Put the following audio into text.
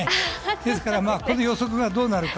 だからこの予測がどうなるか。